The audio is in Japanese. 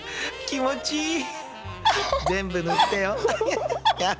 気持ちいい。